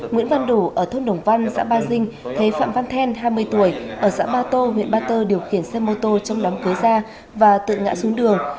nguyễn văn đủ ở thôn đồng văn xã ba dinh thấy phạm văn then hai mươi tuổi ở xã ba tô huyện ba tơ điều khiển xe mô tô trong đám cưới ra và tự ngã xuống đường